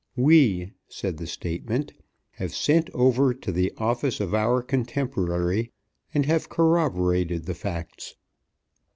"We," said the statement, "have sent over to the office of our contemporary, and have corroborated the facts."